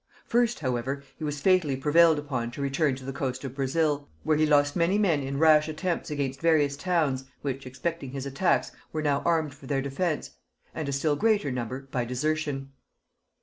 First, however, he was fatally prevailed upon to return to the coast of Brazil, where he lost many men in rash attempts against various towns, which expecting his attacks were now armed for their defence, and a still greater number by desertion.